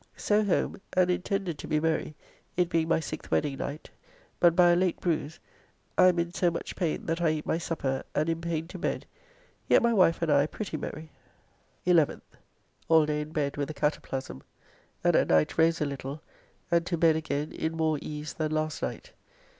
So home, and intended to be merry, it being my sixth wedding night; but by a late bruise.... I am in so much pain that I eat my supper and in pain to bed, yet my wife and I pretty merry. 11th: All day in bed with a cataplasm.... and at night rose a little, and to bed again in more ease than last night.